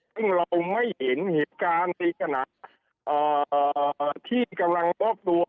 ซึ่งเราไม่เห็นเหตุการณ์ในขณะที่กำลังมอบตัว